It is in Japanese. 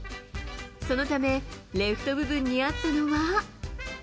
そのため、レフト部分にあったのは。